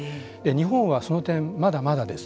日本はその点まだまだです。